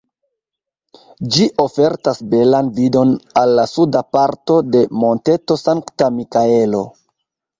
Ĝi ofertas belan vidon al la suda parto de Monteto Sankta-Mikaelo.